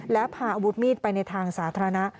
และพาอาวุธมีดไปในทางสาธารณะ